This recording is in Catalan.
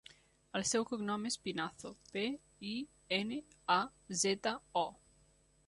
El seu cognom és Pinazo: pe, i, ena, a, zeta, o.